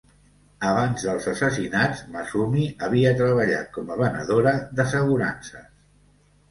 Abans dels assassinats, Masumi havia treballat com a venedora d'assegurances.